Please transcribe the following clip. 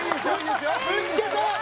ぶつけた！